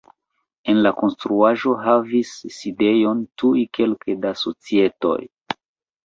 En la konstruaĵo havis sidejon tuj kelke da societoj.